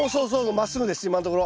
まっすぐです今のところ。